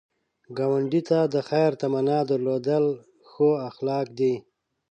ګاونډي ته د خیر تمنا درلودل ښو اخلاق دي